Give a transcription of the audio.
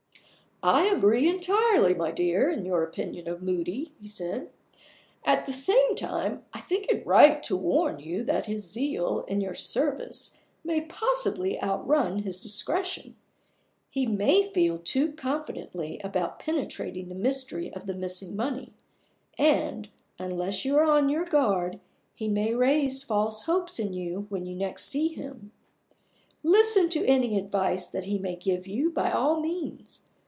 "I agree entirely, my dear, in your opinion of Moody," he said. "At the same time, I think it right to warn you that his zeal in your service may possibly outrun his discretion. He may feel too confidently about penetrating the mystery of the missing money; and, unless you are on your guard, he may raise false hopes in you when you next see him. Listen to any advice that he may give you, by all means.